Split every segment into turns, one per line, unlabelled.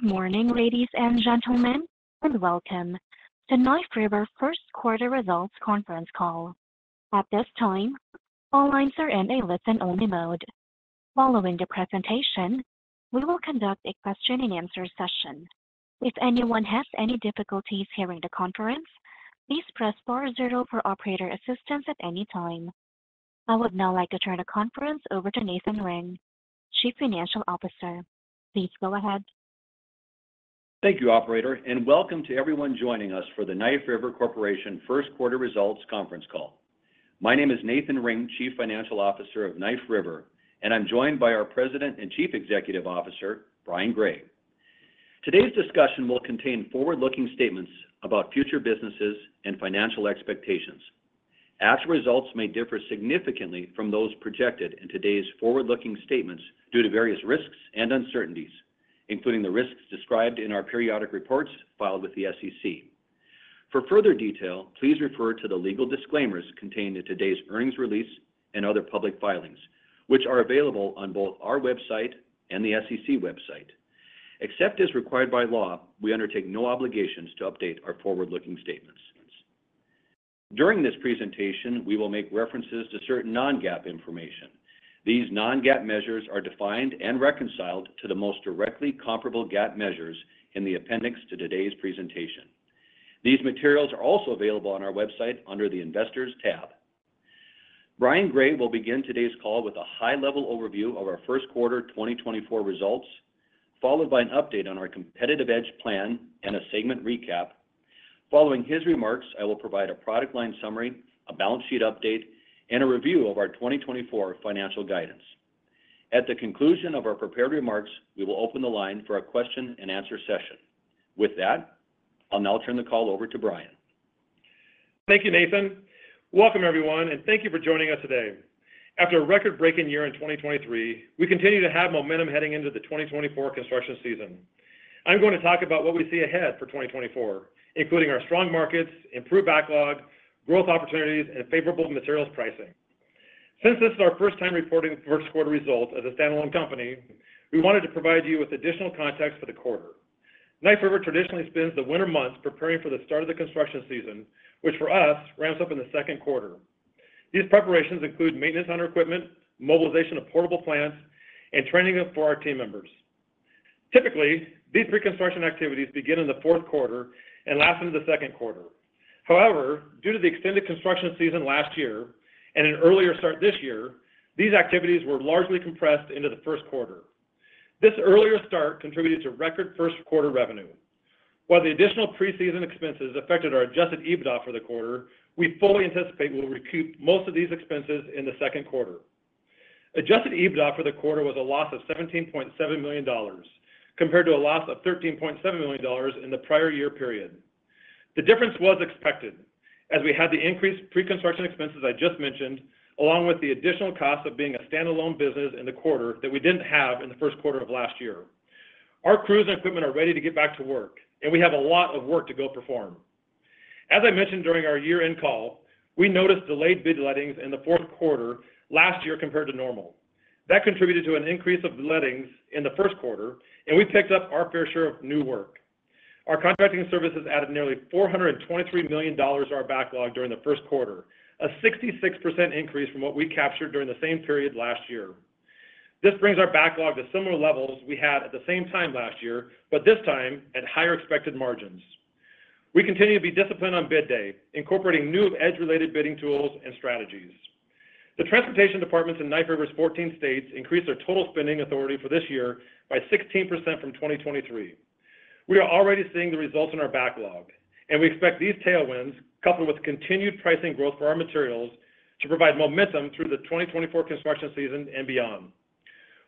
Good morning, ladies and gentlemen, and welcome to Knife River First Quarter Results Conference Call. At this time, all lines are in a listen-only mode. Following the presentation, we will conduct a question-and-answer session. If anyone has any difficulties hearing the conference, please press four zero for operator assistance at any time. I would now like to turn the conference over to Nathan Ring, Chief Financial Officer. Please go ahead.
Thank you, Operator, and welcome to everyone joining us for the Knife River Corporation First Quarter Results Conference call. My name is Nathan Ring, Chief Financial Officer of Knife River, and I'm joined by our President and Chief Executive Officer, Brian Gray. Today's discussion will contain forward-looking statements about future businesses and financial expectations. Actual results may differ significantly from those projected in today's forward-looking statements due to various risks and uncertainties, including the risks described in our periodic reports filed with the SEC. For further detail, please refer to the legal disclaimers contained in today's earnings release and other public filings, which are available on both our website and the SEC website. Except as required by law, we undertake no obligations to update our forward-looking statements. During this presentation, we will make references to certain non-GAAP information. These non-GAAP measures are defined and reconciled to the most directly comparable GAAP measures in the appendix to today's presentation. These materials are also available on our website under the Investors tab. Brian Gray will begin today's call with a high-level overview of our first quarter 2024 results, followed by an update on our Competitive EDGE plan and a segment recap. Following his remarks, I will provide a product line summary, a balance sheet update, and a review of our 2024 financial guidance. At the conclusion of our prepared remarks, we will open the line for a question-and-answer session. With that, I'll now turn the call over to Brian.
Thank you, Nathan. Welcome, everyone, and thank you for joining us today. After a record-breaking year in 2023, we continue to have momentum heading into the 2024 construction season. I'm going to talk about what we see ahead for 2024, including our strong markets, improved backlog, growth opportunities, and favorable materials pricing. Since this is our first time reporting first quarter results as a standalone company, we wanted to provide you with additional context for the quarter. Knife River traditionally spends the winter months preparing for the start of the construction season, which for us ramps up in the second quarter. These preparations include maintenance on our equipment, mobilization of portable plants, and training for our team members. Typically, these pre-construction activities begin in the fourth quarter and last into the second quarter. However, due to the extended construction season last year and an earlier start this year, these activities were largely compressed into the first quarter. This earlier start contributed to record first quarter revenue. While the additional preseason expenses affected our Adjusted EBITDA for the quarter, we fully anticipate we'll recoup most of these expenses in the second quarter. Adjusted EBITDA for the quarter was a loss of $17.7 million compared to a loss of $13.7 million in the prior year period. The difference was expected, as we had the increased pre-construction expenses I just mentioned, along with the additional cost of being a standalone business in the quarter that we didn't have in the first quarter of last year. Our crews and equipment are ready to get back to work, and we have a lot of work to go perform. As I mentioned during our year-end call, we noticed delayed bid lettings in the fourth quarter last year compared to normal. That contributed to an increase of lettings in the first quarter, and we picked up our fair share of new work. Our contracting services added nearly $423 million to our backlog during the first quarter, a 66% increase from what we captured during the same period last year. This brings our backlog to similar levels we had at the same time last year, but this time at higher expected margins. We continue to be disciplined on bid day, incorporating new EDGE-related bidding tools and strategies. The transportation departments in Knife River's 14 states increased their total spending authority for this year by 16% from 2023. We are already seeing the results in our backlog, and we expect these tailwinds, coupled with continued pricing growth for our materials, to provide momentum through the 2024 construction season and beyond.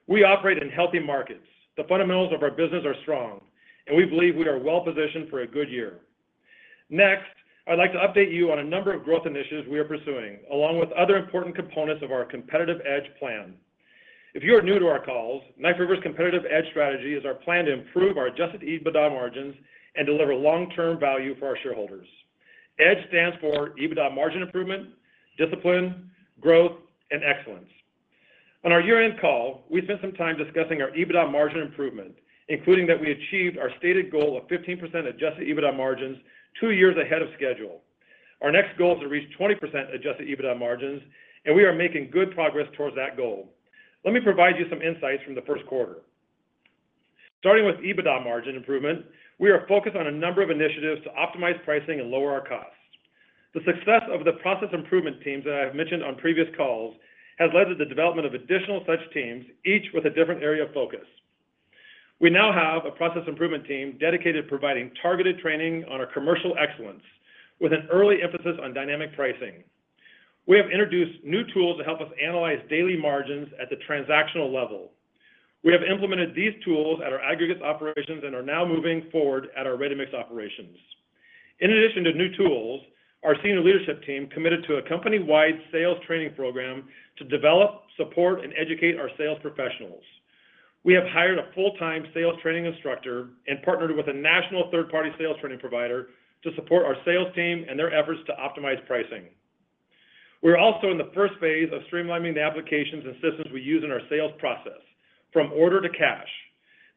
We operate in healthy markets. The fundamentals of our business are strong, and we believe we are well-positioned for a good year. Next, I'd like to update you on a number of growth initiatives we are pursuing, along with other important components of our Competitive EDGE plan. If you are new to our calls, Knife River's Competitive EDGE strategy is our plan to improve our Adjusted EBITDA margins and deliver long-term value for our shareholders. EDGE stands for EBITDA margin improvement, Discipline, Growth, and Excellence. On our year-end call, we spent some time discussing our EBITDA margin improvement, including that we achieved our stated goal of 15% Adjusted EBITDA margins two years ahead of schedule. Our next goal is to reach 20% Adjusted EBITDA margins, and we are making good progress towards that goal. Let me provide you some insights from the first quarter. Starting with EBITDA margin improvement, we are focused on a number of initiatives to optimize pricing and lower our costs. The success of the process improvement teams that I have mentioned on previous calls has led to the development of additional such teams, each with a different area of focus. We now have a process improvement team dedicated to providing targeted training on our commercial excellence, with an early emphasis on dynamic pricing. We have introduced new tools to help us analyze daily margins at the transactional level. We have implemented these tools at our aggregates operations and are now moving forward at our ready-mix operations. In addition to new tools, our senior leadership team committed to a company-wide sales training program to develop, support, and educate our sales professionals. We have hired a full-time sales training instructor and partnered with a national third-party sales training provider to support our sales team and their efforts to optimize pricing. We're also in the first phase of streamlining the applications and systems we use in our sales process, from order to cash.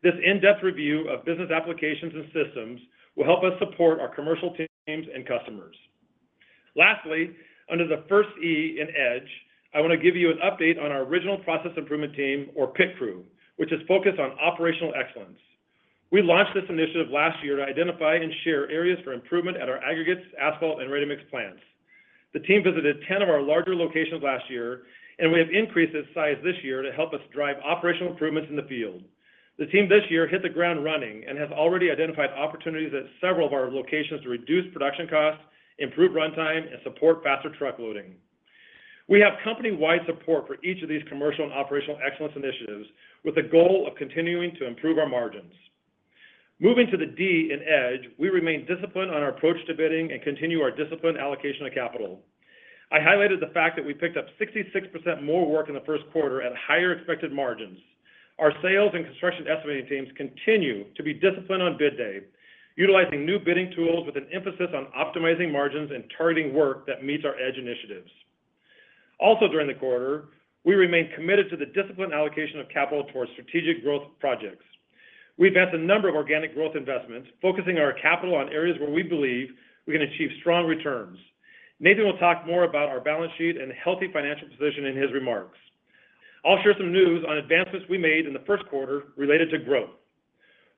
This in-depth review of business applications and systems will help us support our commercial teams and customers. Lastly, under the first E in EDGE, I want to give you an update on our original process improvement team, or PIT Crew, which is focused on operational excellence. We launched this initiative last year to identify and share areas for improvement at our aggregates, asphalt, and ready-mix plants. The team visited 10 of our larger locations last year, and we have increased its size this year to help us drive operational improvements in the field. The team this year hit the ground running and has already identified opportunities at several of our locations to reduce production costs, improve runtime, and support faster truck loading. We have company-wide support for each of these commercial and operational excellence initiatives, with the goal of continuing to improve our margins. Moving to the D in EDGE, we remain disciplined on our approach to bidding and continue our disciplined allocation of capital. I highlighted the fact that we picked up 66% more work in the first quarter at higher expected margins. Our sales and construction estimating teams continue to be disciplined on bid day, utilizing new bidding tools with an emphasis on optimizing margins and targeting work that meets our EDGE initiatives. Also during the quarter, we remain committed to the disciplined allocation of capital towards strategic growth projects. We've had a number of organic growth investments, focusing our capital on areas where we believe we can achieve strong returns. Nathan will talk more about our balance sheet and healthy financial position in his remarks. I'll share some news on advancements we made in the first quarter related to growth.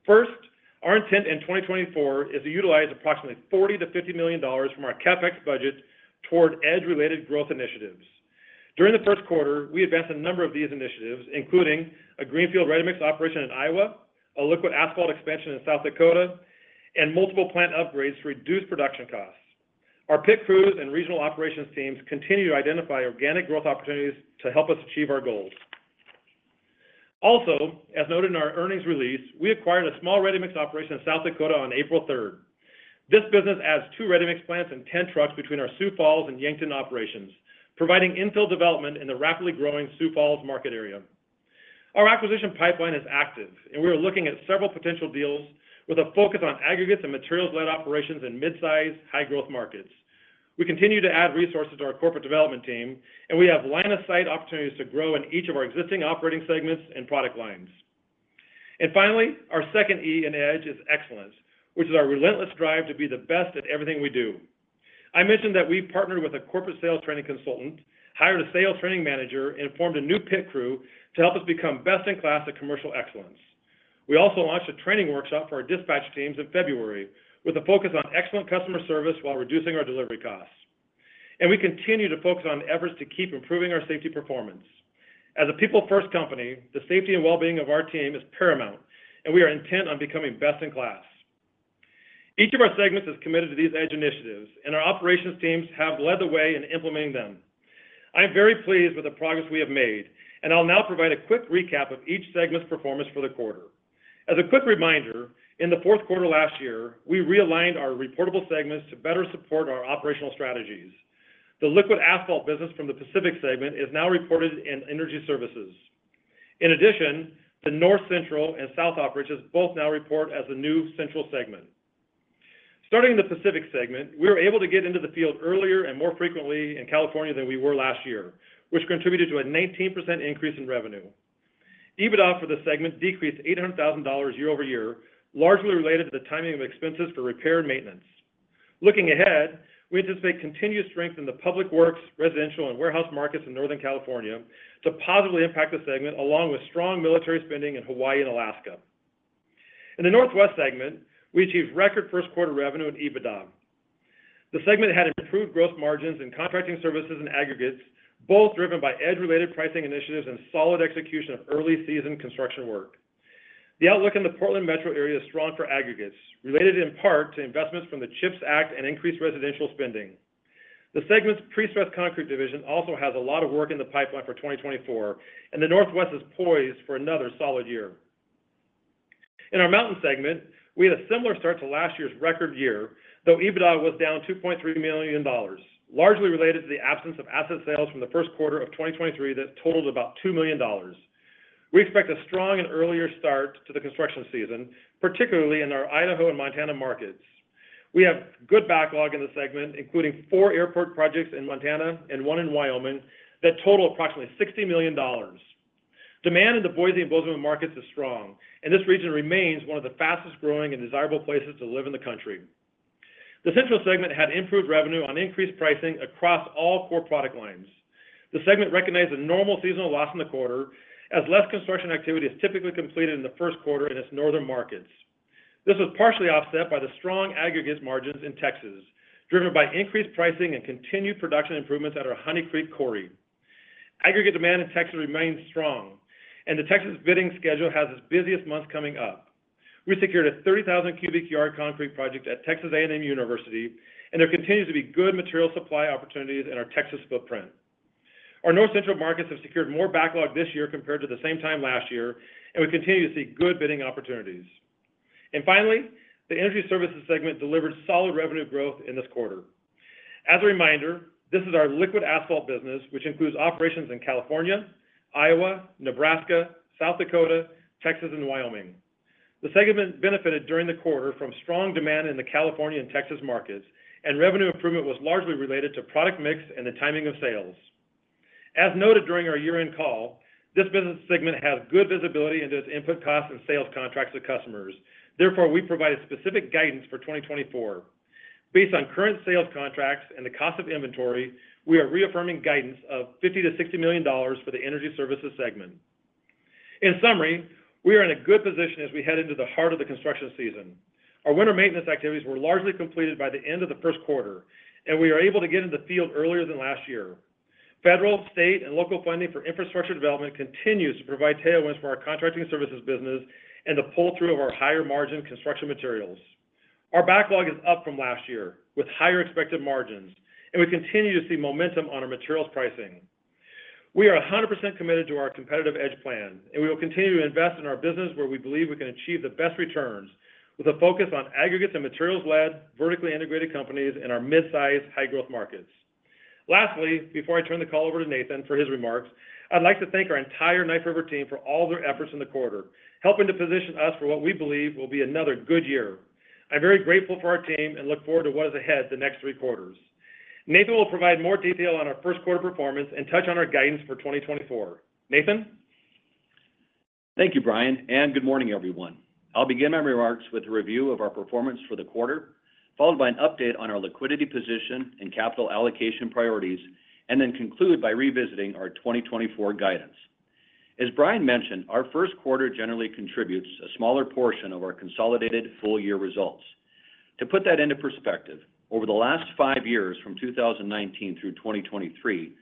First, our intent in 2024 is to utilize approximately $40 million-$50 million from our CapEx budget toward EDGE-related growth initiatives. During the first quarter, we advanced a number of these initiatives, including a greenfield ready-mix operation in Iowa, a liquid asphalt expansion in South Dakota, and multiple plant upgrades to reduce production costs. Our PIT Crews and Regional Operations teams continue to identify organic growth opportunities to help us achieve our goals. Also, as noted in our earnings release, we acquired a small ready-mix operation in South Dakota on April 3rd. This business adds two ready-mix plants and 10 trucks between our Sioux Falls and Yankton operations, providing infill development in the rapidly growing Sioux Falls market area. Our acquisition pipeline is active, and we are looking at several potential deals with a focus on aggregates and materials-led operations in midsize, high-growth markets. We continue to add resources to our corporate development team, and we have line-of-sight opportunities to grow in each of our existing operating segments and product lines. Finally, our second E in EDGE is excellence, which is our relentless drive to be the best at everything we do. I mentioned that we partnered with a corporate sales training consultant, hired a sales training manager, and formed a new PIT Crew to help us become best-in-class at commercial excellence. We also launched a training workshop for our dispatch teams in February with a focus on excellent customer service while reducing our delivery costs. We continue to focus on efforts to keep improving our safety performance. As a people-first company, the safety and well-being of our team is paramount, and we are intent on becoming best-in-class. Each of our segments is committed to these EDGE initiatives, and our operations teams have led the way in implementing them. I am very pleased with the progress we have made, and I'll now provide a quick recap of each segment's performance for the quarter. As a quick reminder, in the fourth quarter last year, we realigned our reportable segments to better support our operational strategies. The Liquid Asphalt business from the Pacific segment is now reported in Energy Services. In addition, the North Central and South Operations both now report as a new Central segment. Starting in the Pacific segment, we were able to get into the field earlier and more frequently in California than we were last year, which contributed to a 19% increase in revenue. EBITDA for the segment decreased $800,000 year-over-year, largely related to the timing of expenses for repair and maintenance. Looking ahead, we anticipate continued strength in the public works, residential, and warehouse markets in Northern California to positively impact the segment, along with strong military spending in Hawaii and Alaska. In the Northwest segment, we achieved record first-quarter revenue and EBITDA. The segment had improved gross margins in contracting services and aggregates, both driven by EDGE-related pricing initiatives and solid execution of early-season construction work. The outlook in the Portland metro area is strong for aggregates, related in part to investments from the CHIPS Act and increased residential spending. The segment's prestressed concrete division also has a lot of work in the pipeline for 2024, and the Northwest is poised for another solid year. In our Mountain segment, we had a similar start to last year's record year, though EBITDA was down $2.3 million, largely related to the absence of asset sales from the first quarter of 2023 that totaled about $2 million. We expect a strong and earlier start to the construction season, particularly in our Idaho and Montana markets. We have good backlog in the segment, including four airport projects in Montana and one in Wyoming that total approximately $60 million. Demand in the Boise and Bozeman markets is strong, and this region remains one of the fastest-growing and desirable places to live in the country. The Central segment had improved revenue on increased pricing across all core product lines. The segment recognized a normal seasonal loss in the quarter, as less construction activity is typically completed in the first quarter in its northern markets. This was partially offset by the strong aggregates margins in Texas, driven by increased pricing and continued production improvements at our Honey Creek Quarry. Aggregate demand in Texas remains strong, and the Texas bidding schedule has its busiest months coming up. We secured a 30,000 cubic yard concrete project at Texas A&M University, and there continues to be good material supply opportunities in our Texas footprint. Our North Central markets have secured more backlog this year compared to the same time last year, and we continue to see good bidding opportunities. Finally, the Energy Services segment delivered solid revenue growth in this quarter. As a reminder, this is our Liquid Asphalt business, which includes operations in California, Iowa, Nebraska, South Dakota, Texas, and Wyoming. The segment benefited during the quarter from strong demand in the California and Texas markets, and revenue improvement was largely related to product mix and the timing of sales. As noted during our year-end call, this business segment has good visibility into its input costs and sales contracts to customers. Therefore, we provided specific guidance for 2024. Based on current sales contracts and the cost of inventory, we are reaffirming guidance of $50 million-$60 million for the Energy Services segment. In summary, we are in a good position as we head into the heart of the construction season. Our winter maintenance activities were largely completed by the end of the first quarter, and we are able to get into the field earlier than last year. Federal, state, and local funding for infrastructure development continues to provide tailwinds for our contracting services business and the pull-through of our higher-margin construction materials. Our backlog is up from last year, with higher expected margins, and we continue to see momentum on our materials pricing. We are 100% committed to our Competitive EDGE plan, and we will continue to invest in our business where we believe we can achieve the best returns, with a focus on aggregates and materials-led, vertically integrated companies in our midsize, high-growth markets. Lastly, before I turn the call over to Nathan for his remarks, I'd like to thank our entire Knife River team for all their efforts in the quarter, helping to position us for what we believe will be another good year. I'm very grateful for our team and look forward to what is ahead the next three quarters. Nathan will provide more detail on our first quarter performance and touch on our guidance for 2024. Nathan?
Thank you, Brian, and good morning, everyone. I'll begin my remarks with a review of our performance for the quarter, followed by an update on our liquidity position and capital allocation priorities, and then conclude by revisiting our 2024 guidance. As Brian mentioned, our first quarter generally contributes a smaller portion of our consolidated full-year results. To put that into perspective, over the last five years from 2019 through 2023,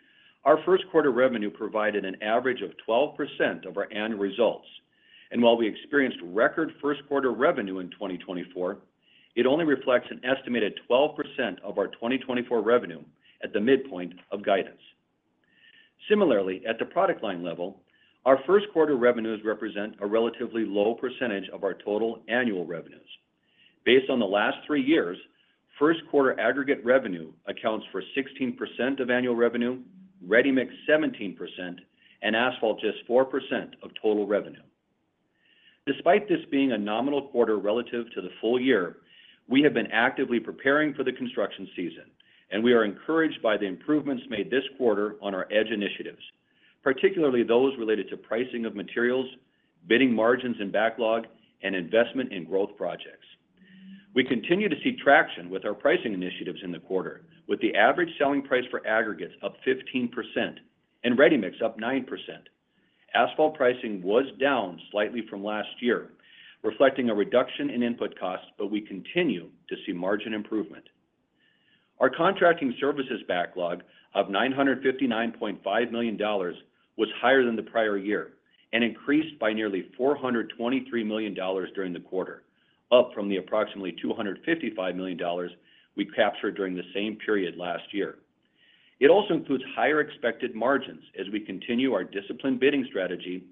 our first quarter revenue provided an average of 12% of our annual results. While we experienced record first-quarter revenue in 2024, it only reflects an estimated 12% of our 2024 revenue at the midpoint of guidance. Similarly, at the product line level, our first-quarter revenues represent a relatively low percentage of our total annual revenues. Based on the last three years, first-quarter aggregate revenue accounts for 16% of annual revenue, ready-mix 17%, and asphalt just 4% of total revenue. Despite this being a nominal quarter relative to the full year, we have been actively preparing for the construction season, and we are encouraged by the improvements made this quarter on our EDGE initiatives, particularly those related to pricing of materials, bidding margins and backlog, and investment in growth projects. We continue to see traction with our pricing initiatives in the quarter, with the average selling price for aggregates up 15% and ready-mix up 9%. Asphalt pricing was down slightly from last year, reflecting a reduction in input costs, but we continue to see margin improvement. Our contracting services backlog of $959.5 million was higher than the prior year and increased by nearly $423 million during the quarter, up from the approximately $255 million we captured during the same period last year. It also includes higher expected margins as we continue our disciplined bidding strategy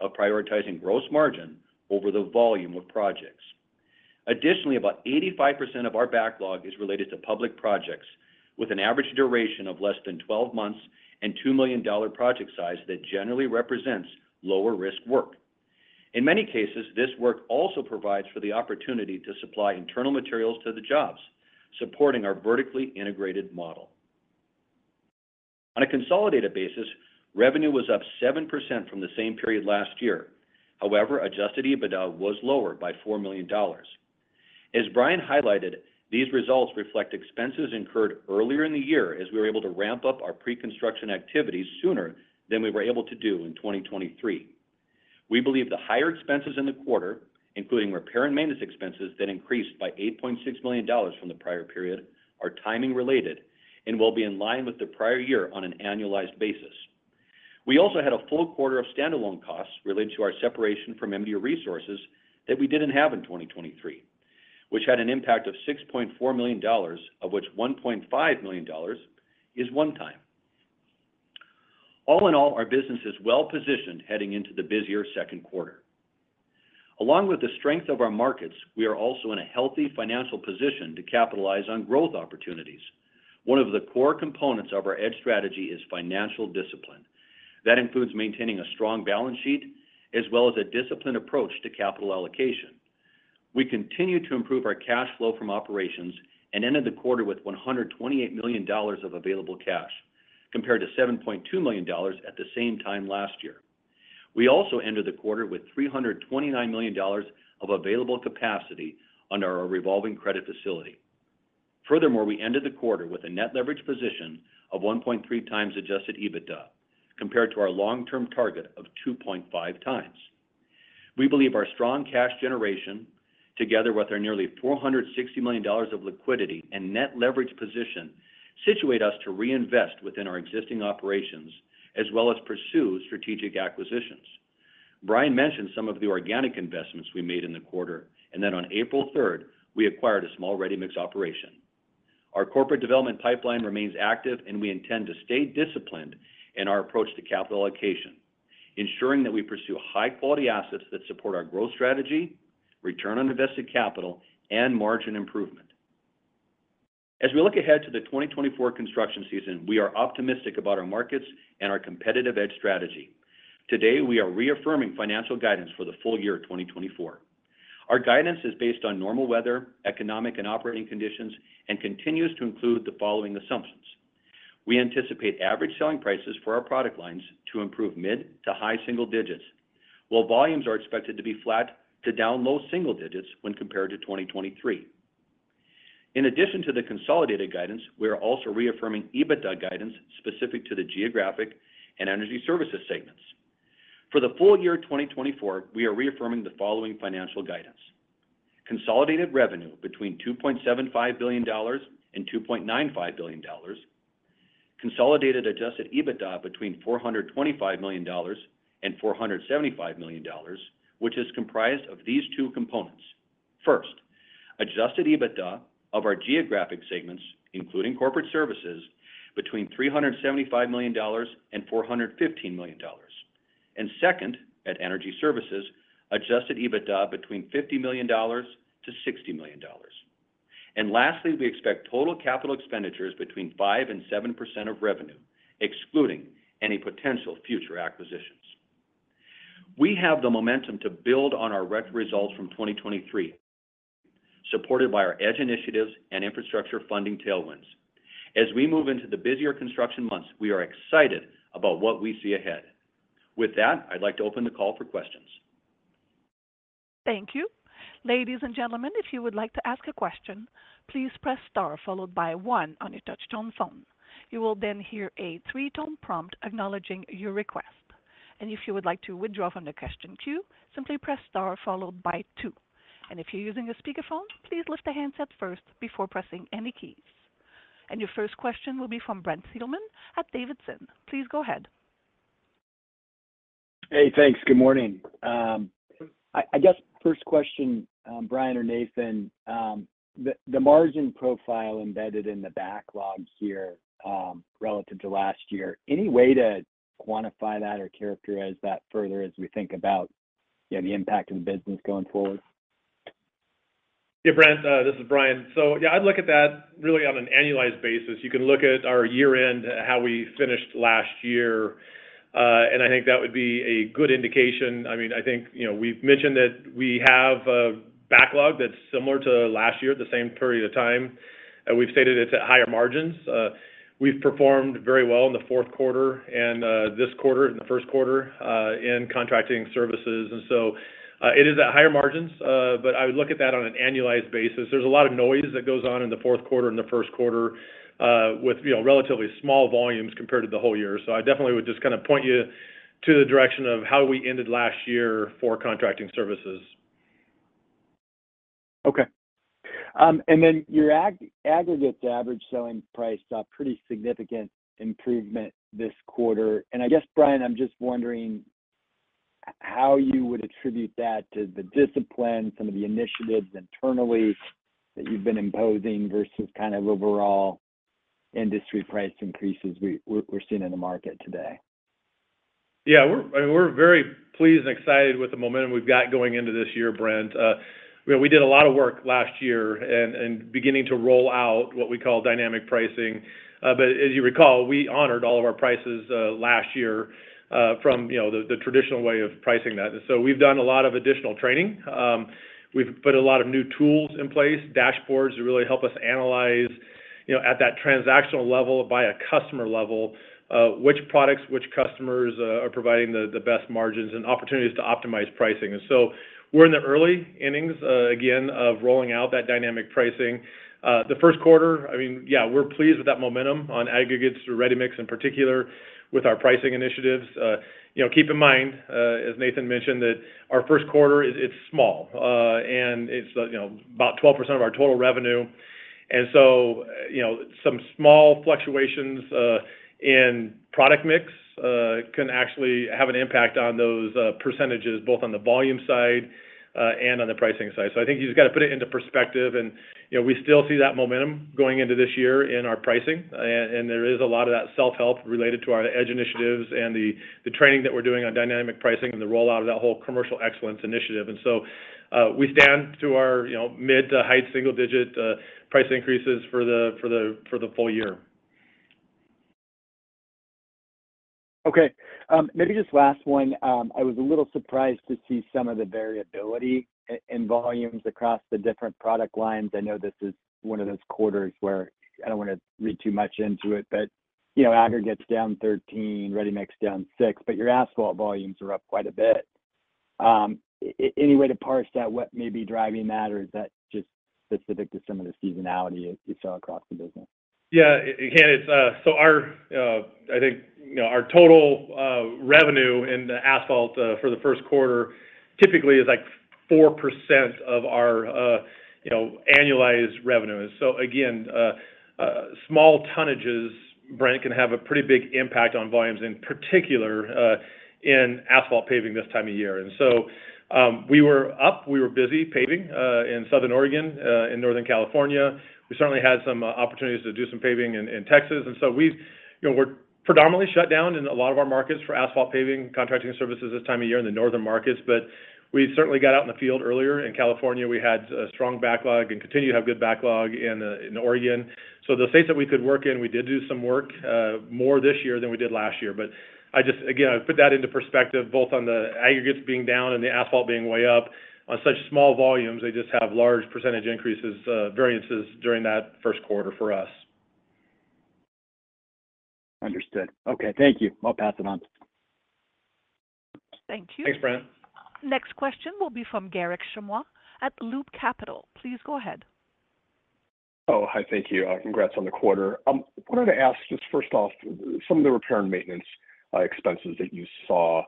of prioritizing gross margin over the volume of projects. Additionally, about 85% of our backlog is related to public projects, with an average duration of less than 12 months and $2 million project size that generally represents lower-risk work. In many cases, this work also provides for the opportunity to supply internal materials to the jobs, supporting our vertically integrated model. On a consolidated basis, revenue was up 7% from the same period last year. However, Adjusted EBITDA was lower by $4 million. As Brian highlighted, these results reflect expenses incurred earlier in the year as we were able to ramp up our pre-construction activities sooner than we were able to do in 2023. We believe the higher expenses in the quarter, including repair and maintenance expenses that increased by $8.6 million from the prior period, are timing-related and will be in line with the prior year on an annualized basis. We also had a full quarter of standalone costs related to our separation from MDU Resources that we didn't have in 2023, which had an impact of $6.4 million, of which $1.5 million is one-time. All in all, our business is well-positioned heading into the busier second quarter. Along with the strength of our markets, we are also in a healthy financial position to capitalize on growth opportunities. One of the core components of our EDGE strategy is financial discipline. That includes maintaining a strong balance sheet as well as a disciplined approach to capital allocation. We continue to improve our cash flow from operations and ended the quarter with $128 million of available cash, compared to $7.2 million at the same time last year. We also ended the quarter with $329 million of available capacity under our revolving credit facility. Furthermore, we ended the quarter with a net leverage position of 1.3x Adjusted EBITDA, compared to our long-term target of 2.5x. We believe our strong cash generation, together with our nearly $460 million of liquidity and net leverage position, situate us to reinvest within our existing operations as well as pursue strategic acquisitions. Brian mentioned some of the organic investments we made in the quarter, and then on April 3rd, we acquired a small ready-mix operation. Our corporate development pipeline remains active, and we intend to stay disciplined in our approach to capital allocation, ensuring that we pursue high-quality assets that support our growth strategy, return on invested capital, and margin improvement. As we look ahead to the 2024 construction season, we are optimistic about our markets and our Competitive EDGE strategy. Today, we are reaffirming financial guidance for the full year 2024. Our guidance is based on normal weather, economic and operating conditions, and continues to include the following assumptions: we anticipate average selling prices for our product lines to improve mid to high single digits, while volumes are expected to be flat to down low single digits when compared to 2023. In addition to the consolidated guidance, we are also reaffirming EBITDA guidance specific to the geographic and Energy Services segments. For the full year 2024, we are reaffirming the following financial guidance: consolidated revenue between $2.75 billion and $2.95 billion. Consolidated adjusted EBITDA between $425 million and $475 million, which is comprised of these two components. First, adjusted EBITDA of our geographic segments, including corporate services, between $375 million and $415 million. And second, at Energy Services, adjusted EBITDA between $50 million to $60 million. And lastly, we expect total capital expenditures between 5% and 7% of revenue, excluding any potential future acquisitions. We have the momentum to build on our record results from 2023, supported by our EDGE initiatives and infrastructure funding tailwinds. As we move into the busier construction months, we are excited about what we see ahead. With that, I'd like to open the call for questions.
Thank you. Ladies and gentlemen, if you would like to ask a question, please press star followed by one on your touch-tone phone. You will then hear a three-tone prompt acknowledging your request. If you would like to withdraw from the question queue, simply press star followed by two. If you're using a speakerphone, please lift the handset first before pressing any keys. Your first question will be from Brent Thielman at D.A. Davidson. Please go ahead.
Hey, thanks. Good morning. I guess first question, Brian or Nathan, the margin profile embedded in the backlog here relative to last year, any way to quantify that or characterize that further as we think about the impact of the business going forward?
Yeah, Brent. This is Brian. So yeah, I'd look at that really on an annualized basis. You can look at our year-end, how we finished last year, and I think that would be a good indication. I mean, I think we've mentioned that we have a backlog that's similar to last year at the same period of time. We've stated it's at higher margins. We've performed very well in the fourth quarter and this quarter and the first quarter in contracting services. And so it is at higher margins, but I would look at that on an annualized basis. There's a lot of noise that goes on in the fourth quarter and the first quarter with relatively small volumes compared to the whole year. So I definitely would just kind of point you to the direction of how we ended last year for contracting services.
Okay. And then your aggregates average selling price saw pretty significant improvement this quarter. And I guess, Brian, I'm just wondering how you would attribute that to the discipline, some of the initiatives internally that you've been imposing versus kind of overall industry price increases we're seeing in the market today.
Yeah. I mean, we're very pleased and excited with the momentum we've got going into this year, Brent. We did a lot of work last year in beginning to roll out what we call dynamic pricing. But as you recall, we honored all of our prices last year from the traditional way of pricing that. And so we've done a lot of additional training. We've put a lot of new tools in place, dashboards to really help us analyze at that transactional level by a customer level, which products, which customers are providing the best margins and opportunities to optimize pricing. And so we're in the early innings, again, of rolling out that dynamic pricing. The first quarter, I mean, yeah, we're pleased with that momentum on aggregates through ready-mix in particular with our pricing initiatives. Keep in mind, as Nathan mentioned, that our first quarter, it's small, and it's about 12% of our total revenue. And so some small fluctuations in product mix can actually have an impact on those percentages, both on the volume side and on the pricing side. So I think you just got to put it into perspective. And we still see that momentum going into this year in our pricing. And there is a lot of that self-help related to our EDGE initiatives and the training that we're doing on dynamic pricing and the rollout of that whole commercial excellence initiative. And so we stand to our mid- to high single-digit price increases for the full year.
Okay. Maybe just last one. I was a little surprised to see some of the variability in volumes across the different product lines. I know this is one of those quarters where I don't want to read too much into it, but aggregates down 13%, ready-mix down 6%, but your asphalt volumes are up quite a bit. Any way to parse that? What may be driving that, or is that just specific to some of the seasonality you saw across the business?
Yeah. Again, so I think our total revenue in the asphalt for the first quarter typically is like 4% of our annualized revenue. So again, small tonnages, Brent, can have a pretty big impact on volumes, in particular in asphalt paving this time of year. And so we were up. We were busy paving in Southern Oregon, in Northern California. We certainly had some opportunities to do some paving in Texas. And so we're predominantly shut down in a lot of our markets for asphalt paving, contracting services this time of year in the northern markets. But we certainly got out in the field earlier. In California, we had strong backlog and continue to have good backlog in Oregon. So the states that we could work in, we did do some work more this year than we did last year. But again, I put that into perspective, both on the aggregates being down and the asphalt being way up. On such small volumes, they just have large percentage increases, variances during that first quarter for us.
Understood. Okay. Thank you. I'll pass it on.
Thank you.
Thanks, Brent.
Next question will be from Garik Shmois at Loop Capital. Please go ahead.
Oh, hi. Thank you. Congrats on the quarter. I wanted to ask just first off, some of the repair and maintenance expenses that you saw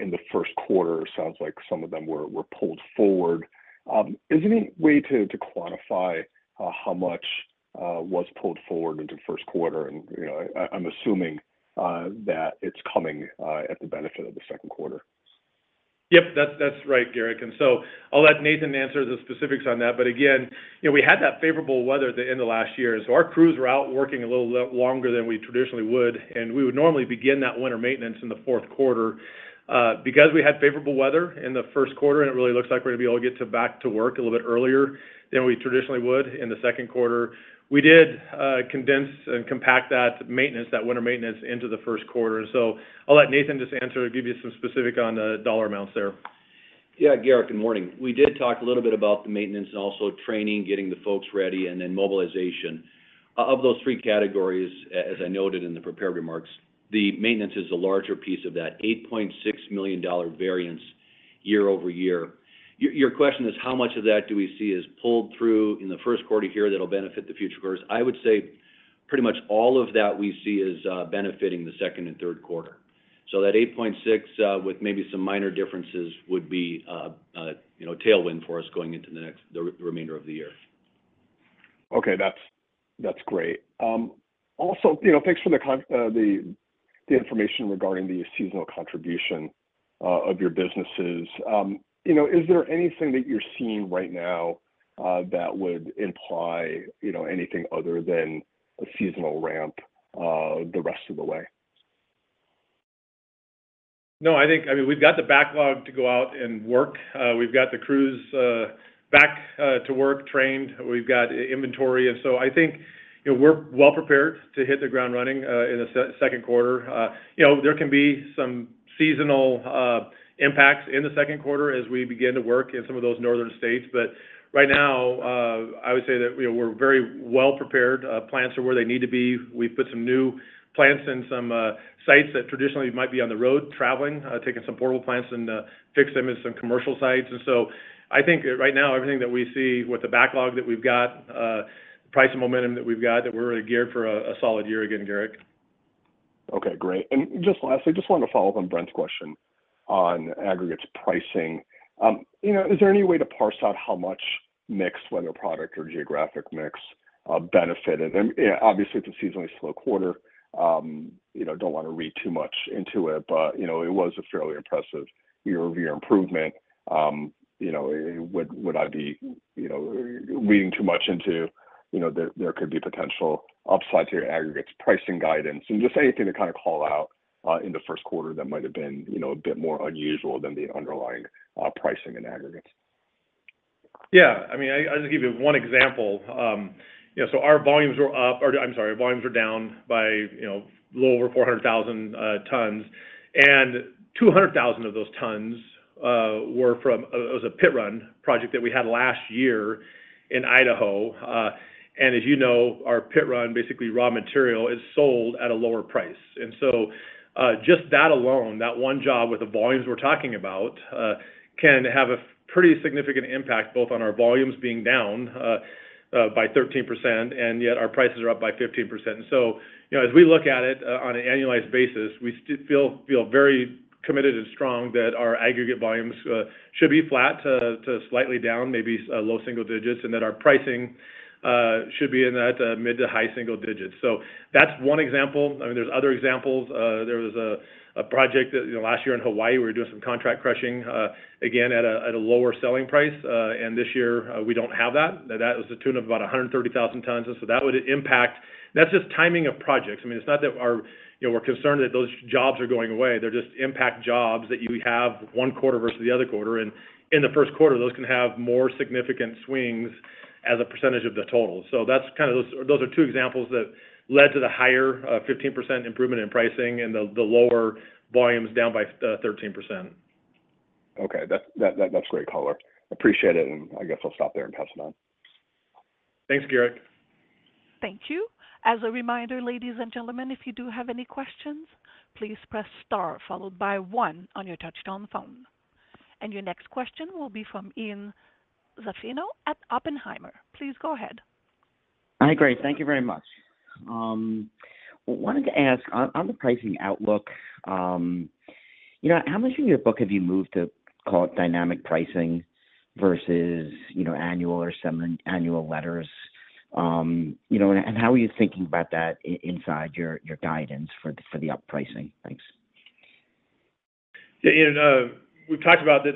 in the first quarter, it sounds like some of them were pulled forward. Is there any way to quantify how much was pulled forward into first quarter? And I'm assuming that it's coming at the benefit of the second quarter.
Yep, that's right, Garik. And so I'll let Nathan answer the specifics on that. But again, we had that favorable weather in the last year. And so our crews were out working a little longer than we traditionally would. And we would normally begin that winter maintenance in the fourth quarter because we had favorable weather in the first quarter, and it really looks like we're going to be able to get back to work a little bit earlier than we traditionally would in the second quarter. We did condense and compact that maintenance, that winter maintenance, into the first quarter. And so I'll let Nathan just answer, give you some specific on the dollar amounts there.
Yeah, Garik, good morning. We did talk a little bit about the maintenance and also training, getting the folks ready, and then mobilization. Of those three categories, as I noted in the prepared remarks, the maintenance is a larger piece of that, $8.6 million variance year-over-year. Your question is, how much of that do we see is pulled through in the first quarter here that'll benefit the future quarters? I would say pretty much all of that we see is benefiting the second and third quarter. So that $8.6 million with maybe some minor differences would be a tailwind for us going into the remainder of the year.
Okay. That's great. Also, thanks for the information regarding the seasonal contribution of your businesses. Is there anything that you're seeing right now that would imply anything other than a seasonal ramp the rest of the way?
No. I mean, we've got the backlog to go out and work. We've got the crews back to work trained. We've got inventory. And so I think we're well-prepared to hit the ground running in the second quarter. There can be some seasonal impacts in the second quarter as we begin to work in some of those northern states. But right now, I would say that we're very well-prepared. Plants are where they need to be. We've put some new plants in some sites that traditionally might be on the road, traveling, taking some portable plants and fixing them in some commercial sites. And so I think right now, everything that we see with the backlog that we've got, the price and momentum that we've got, that we're really geared for a solid year again, Garik.
Okay. Great. And just lastly, I just wanted to follow up on Brent's question on aggregates pricing. Is there any way to parse out how much mixed, whether product or geographic mix, benefited? And obviously, it's a seasonally slow quarter. Don't want to read too much into it, but it was a fairly impressive year-over-year improvement. Would I be reading too much into there could be potential upside to your aggregates pricing guidance? And just anything to kind of call out in the first quarter that might have been a bit more unusual than the underlying pricing in aggregates.
Yeah. I mean, I'll just give you one example. So our volumes were up or I'm sorry, our volumes were down by a little over 400,000 tons. And 200,000 of those tons were from it was a pit run project that we had last year in Idaho. And as you know, our pit run, basically raw material, is sold at a lower price. And so just that alone, that one job with the volumes we're talking about can have a pretty significant impact both on our volumes being down by 13%, and yet our prices are up by 15%. And so as we look at it on an annualized basis, we still feel very committed and strong that our aggregate volumes should be flat to slightly down, maybe low single digits, and that our pricing should be in that mid to high single digits. So that's one example. I mean, there's other examples. There was a project last year in Hawaii where we were doing some contract crushing, again, at a lower selling price. And this year, we don't have that. That was a tune of about 130,000 tons. And so that would impact. That's just timing of projects. I mean, it's not that we're concerned that those jobs are going away. They're just impact jobs that you have one quarter versus the other quarter. And in the first quarter, those can have more significant swings as a percentage of the total. So that's kind of those are two examples that led to the higher 15% improvement in pricing and the lower volumes down by 13%.
Okay. That's a great color. Appreciate it. I guess I'll stop there and pass it on.
Thanks, Garrick.
Thank you. As a reminder, ladies and gentlemen, if you do have any questions, please press star followed by one on your touch-tone phone. Your next question will be from Ian Zaffino at Oppenheimer. Please go ahead.
Hi, Great. Thank you very much. I wanted to ask, on the pricing outlook, how much in your book have you moved to, call it, dynamic pricing versus annual or semi-annual letters? And how are you thinking about that inside your guidance for the uppricing? Thanks.
Yeah. We've talked about that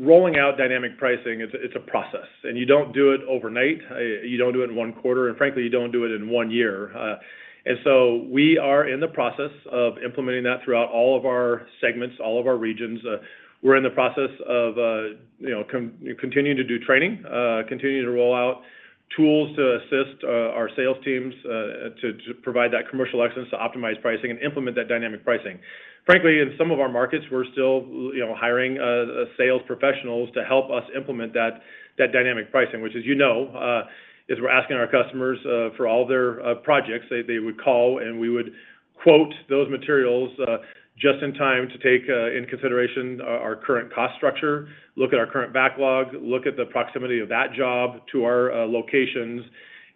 rolling out dynamic pricing, it's a process. You don't do it overnight. You don't do it in one quarter. Frankly, you don't do it in one year. We are in the process of implementing that throughout all of our segments, all of our regions. We're in the process of continuing to do training, continuing to roll out tools to assist our sales teams to provide that commercial excellence to optimize pricing and implement that dynamic pricing. Frankly, in some of our markets, we're still hiring sales professionals to help us implement that dynamic pricing, which, as you know, is we're asking our customers for all of their projects. They would call, and we would quote those materials just in time to take into consideration our current cost structure, look at our current backlog, look at the proximity of that job to our locations,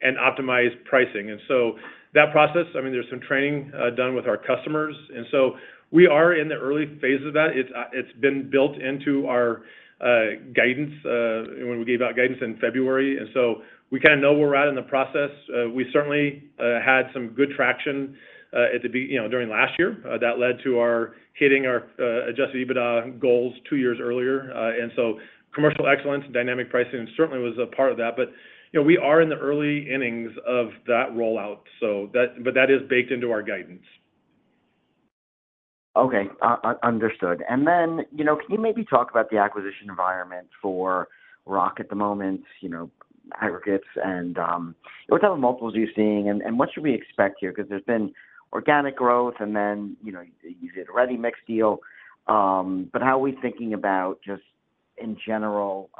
and optimize pricing. And so that process, I mean, there's some training done with our customers. And so we are in the early phase of that. It's been built into our guidance when we gave out guidance in February. And so we kind of know where we're at in the process. We certainly had some good traction during last year. That led to our hitting our Adjusted EBITDA goals two years earlier. And so commercial excellence and dynamic pricing certainly was a part of that. But we are in the early innings of that rollout. But that is baked into our guidance.
Okay. Understood. And then can you maybe talk about the acquisition environment for rock at the moment, aggregates, and what type of multiples are you seeing? And what should we expect here? Because there's been organic growth, and then you did a ready-mix deal. But how are we thinking about just, in general,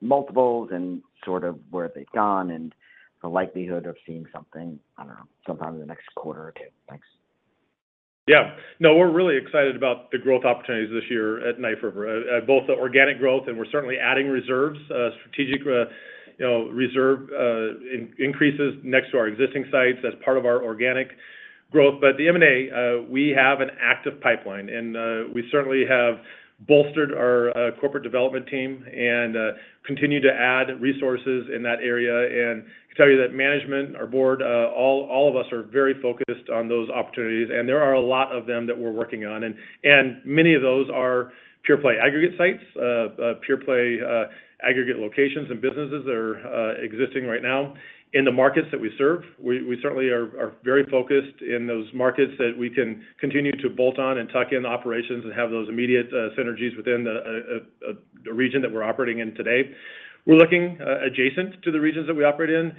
multiples and sort of where they've gone and the likelihood of seeing something, I don't know, sometime in the next quarter or two? Thanks.
Yeah. No, we're really excited about the growth opportunities this year at Knife River, both the organic growth. We're certainly adding reserves, strategic reserve increases next to our existing sites as part of our organic growth. The M&A, we have an active pipeline. We certainly have bolstered our corporate development team and continued to add resources in that area. I can tell you that management, our board, all of us are very focused on those opportunities. There are a lot of them that we're working on. Many of those are pure-play aggregate sites, pure-play aggregate locations and businesses that are existing right now in the markets that we serve. We certainly are very focused in those markets that we can continue to bolt on and tuck in operations and have those immediate synergies within the region that we're operating in today. We're looking adjacent to the regions that we operate in.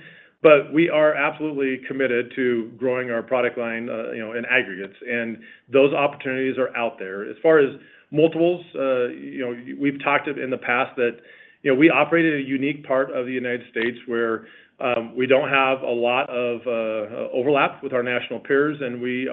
But we are absolutely committed to growing our product line in aggregates. And those opportunities are out there. As far as multiples, we've talked in the past that we operate in a unique part of the United States where we don't have a lot of overlap with our national peers. And we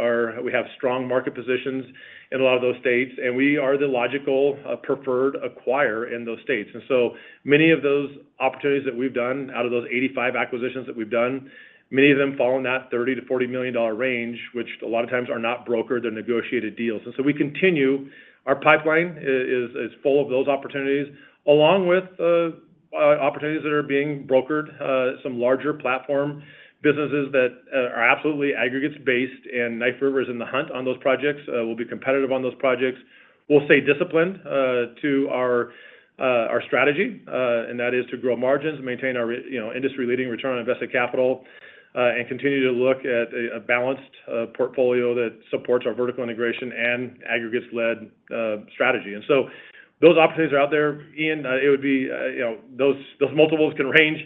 have strong market positions in a lot of those states. And we are the logical preferred acquirer in those states. And so many of those opportunities that we've done out of those 85 acquisitions that we've done, many of them fall in that $30 million-$40 million range, which a lot of times are not brokered. They're negotiated deals. And so we continue. Our pipeline is full of those opportunities, along with opportunities that are being brokered, some larger platform businesses that are absolutely aggregates-based. Knife River is in the hunt on those projects. We'll be competitive on those projects. We'll stay disciplined to our strategy. That is to grow margins, maintain our industry-leading return on invested capital, and continue to look at a balanced portfolio that supports our vertical integration and aggregates-led strategy. Those opportunities are out there. Ian, it would be those multiples can range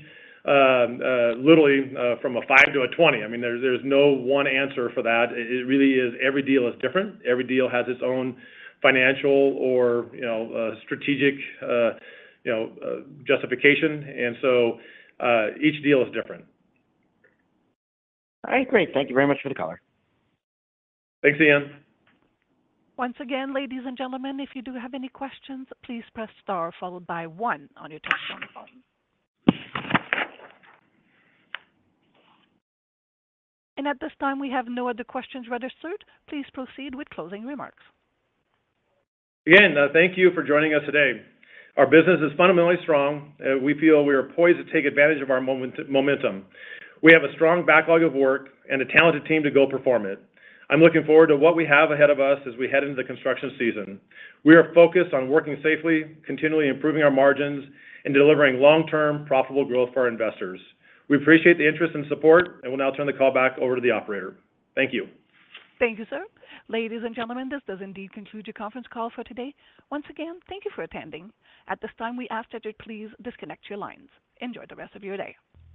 literally from 5x to 20x. I mean, there's no one answer for that. It really is every deal is different. Every deal has its own financial or strategic justification. Each deal is different.
All right. Great. Thank you very much for the color.
Thanks, Ian.
Once again, ladies and gentlemen, if you do have any questions, please press star followed by one on your touch-tone phone. At this time, we have no other questions registered. Please proceed with closing remarks.
Again, thank you for joining us today. Our business is fundamentally strong. We feel we are poised to take advantage of our momentum. We have a strong backlog of work and a talented team to go perform it. I'm looking forward to what we have ahead of us as we head into the construction season. We are focused on working safely, continually improving our margins, and delivering long-term, profitable growth for our investors. We appreciate the interest and support. We'll now turn the call back over to the operator. Thank you.
Thank you, sir. Ladies and gentlemen, this does indeed conclude your conference call for today. Once again, thank you for attending. At this time, we ask that you please disconnect your lines. Enjoy the rest of your day.